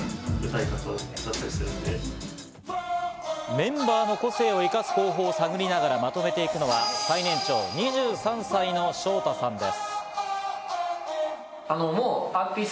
メンバーの個性を生かす方法を探りながらまとめていくのは、最年長・２３歳のショウタさんです。